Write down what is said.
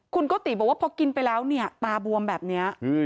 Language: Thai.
คุณก๊อติบอกว่าพอกินไปแล้วตาบวมแบบนี้